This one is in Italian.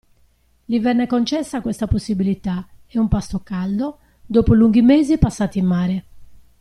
Gli venne concessa questa possibilità, e un pasto caldo, dopo lunghi mesi passati in mare.